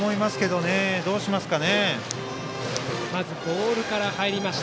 どうしますか。